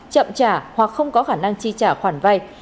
chậm trả hoặc không có khả năng chi trả khoản vay